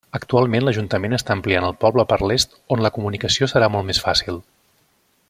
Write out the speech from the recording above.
Actualment l'ajuntament està ampliant el poble per l'est on la comunicació serà molt més fàcil.